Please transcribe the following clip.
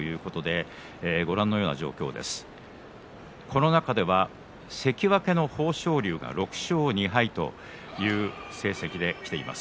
この辺りでは関脇の豊昇龍が６勝２敗という成績で、きています。